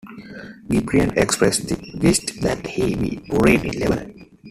Gibran expressed the wish that he be buried in Lebanon.